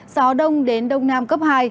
gió đông đến đông nam cấp hai